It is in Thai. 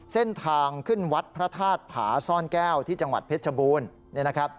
เส้นทางขึ้นวัดพระธาตุผาซ่อนแก้วที่จังหวัดเพชรชบูรณ์เนี่ยนะครับ